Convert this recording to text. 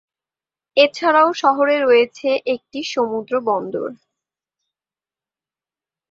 এছাড়াও শহরে রয়েছে একটি সমুদ্র বন্দর।